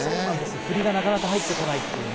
振りがなかなか入ってこないっていうね。